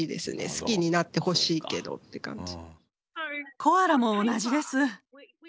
好きになってほしいけどって感じ。